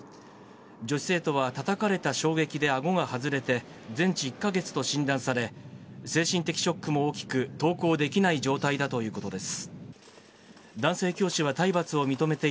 女子生徒はたたかれた衝撃であごが外れて、全治１か月と診断され、精神的ショックも大きく、登校できない状態だということです。